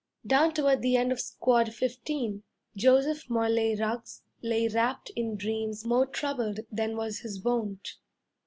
Down toward the end of Squad 15, Joseph Morley Ruggs lay wrapped in dreams more troubled than was his wont.